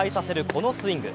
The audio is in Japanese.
このスイング。